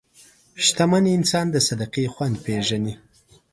شتمن انسان د صدقې خوند پېژني.